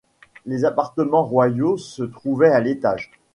Les appartements royaux se trouvaient à l'étage.